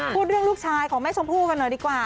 พูดเรื่องลูกชายของแม่ชมพู่กันหน่อยดีกว่า